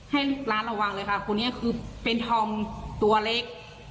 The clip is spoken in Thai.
ให้ลูกร้านระวังเลยค่ะคนนี้คือเป็นธอมตัวเล็ก